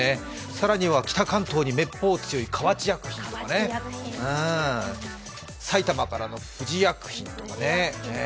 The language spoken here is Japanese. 更には北関東にめっぽう強いカワチ薬品とか、埼玉からの富士薬品とかね。